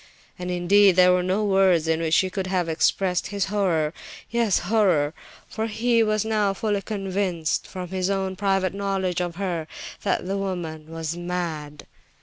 And, indeed, there were no words in which he could have expressed his horror, yes, horror, for he was now fully convinced from his own private knowledge of her, that the woman was mad.